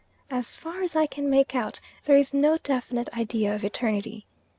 As far as I can make out there is no definite idea of eternity.